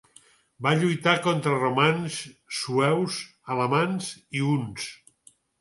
Va lluitar contra romans, sueus, alamans i huns.